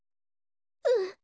うん。